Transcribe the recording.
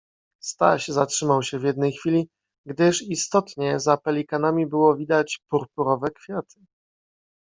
Staś zatrzymał sie w jednej chwili, gdyż istotnie za pelikanami było widać purpurowe kwiaty.